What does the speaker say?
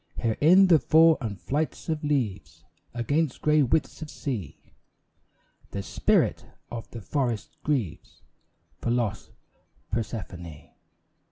Here in the fall and flights of leaves Against grey widths of sea, The spirit of the forests grieves For lost Persephone.